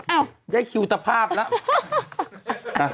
อ้าวยัยคิวตรภาพแล้ว